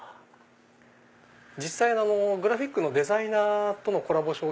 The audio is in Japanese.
実際グラフィックのデザイナーとコラボ